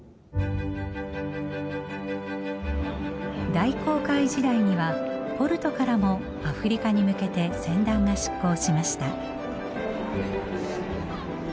大航海時代にはポルトからもアフリカに向けて船団が出航しました。